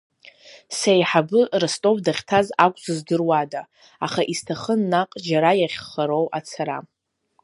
Сеиҳабы Ростов дахьҭаз акәзу здыруада, аха исҭахын наҟ џьара иахьхароу ацара.